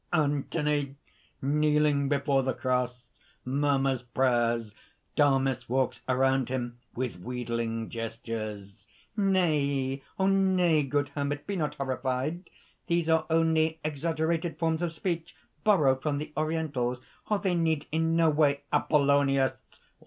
(Anthony kneeling before the cross, murmurs prayers. Damis walks around him, with wheedling gestures.) "Nay, nay! good hermit. Be not horrified! These are only exaggerated forms of speech, borrowed from the Orientals. That need in no way ..." APOLLONIUS.